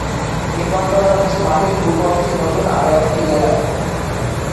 নির্মাণ করা হচ্ছে মাঠের পূর্ব অংশে নতুন আরো একটি গ্যালারি।